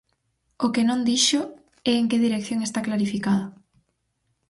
O que non dixo é en que dirección está clarificada.